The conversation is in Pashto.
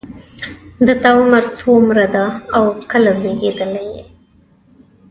د تا عمر څومره ده او کله زیږیدلی یې